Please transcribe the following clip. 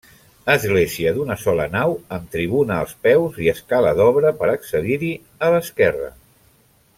Església d'una sola nau, amb tribuna als peus i escala d'obra per accedir-hi, a l'esquerra.